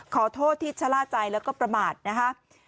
ขอโทษที่ชะล่าใจแล้วก็ประมาทนะคะ